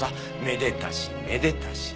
めでたしめでたし。